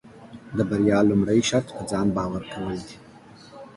د بریا لومړی شرط پۀ ځان باور کول دي.